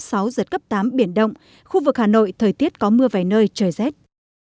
trong cơn giật cấp tám biển đông khu vực hà nội thời tiết có mưa về nơi trời rét